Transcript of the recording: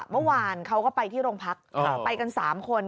เมื่อวานเขาก็ไปที่โรงพักไปกัน๓คน